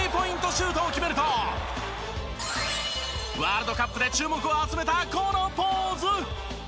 シュートを決めるとワールドカップで注目を集めたこのポーズ。